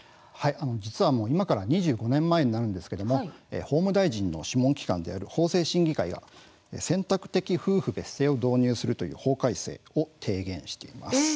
実は今から２５年前になるんですが法務大臣の諮問機関である法制審議会が選択的夫婦別姓を導入するという法改正を提言しています。